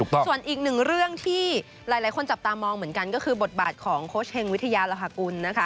ส่วนอีกเรื่องที่หลายคนจับตามองก็คือบทบาทของโค้ชเฮงวิทยาราฐกุล